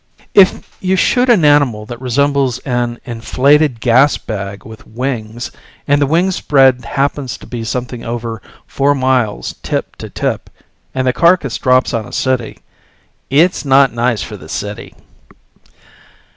If you shoot an animal that resembles an inflated gas bag with wings, and the wingspread happens to be something over four miles tip to tip, and the carcass drops on a city it's not nice for the city.